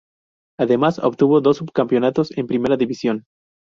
Además obtuvo dos subcampeonatos en Primera División.